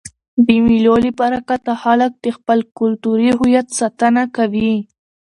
د مېلو له برکته خلک د خپل کلتوري هویت ساتنه کوي.